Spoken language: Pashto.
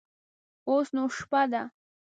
اوس نو شپه ده.